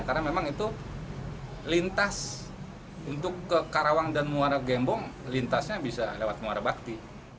karena memang itu lintas untuk ke karawang dan muara gembong lintasnya bisa lewat muara bakti